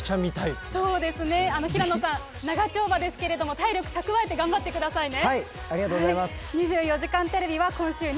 そうですね、平野さん、長丁場ですけれども、体力蓄えて頑張ってくださいね。